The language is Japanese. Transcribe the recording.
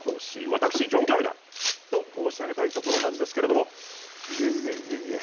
私ジョン・カビラと申し上げたいところなんですけれどもいえいえいえいえ